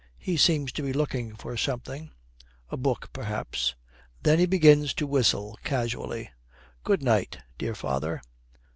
He seems to be looking for something a book, perhaps. Then he begins to whistle casually. 'Good night, dear father.'